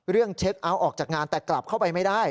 เรียกเช็คเอาท์ออกจากงานแต่กลับเข้าไปไม่ได้